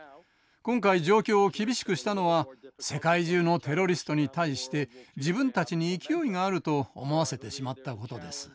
今回状況を厳しくしたのは世界中のテロリストに対して自分たちに勢いがあると思わせてしまったことです。